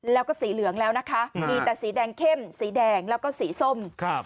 แล้วก็สีเหลืองแล้วนะคะมีแต่สีแดงเข้มสีแดงแล้วก็สีส้มครับ